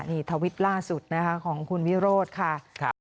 นี่ทวิตล่าสุดนะคะของคุณวิโรธค่ะ